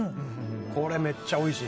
これめっちゃおいしい。